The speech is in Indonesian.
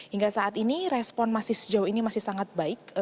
hingga saat ini respon masih sejauh ini masih sangat baik